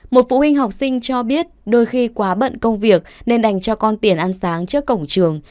một phụ huynh học sinh cho biết đôi khi quá bận công việc nên đành cho con tiền ăn sáng trước cổng trường